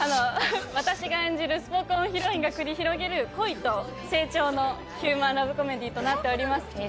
私が演じるスポ根ヒロインが繰り広げる恋と成長のヒューマンラブコメディーとなっております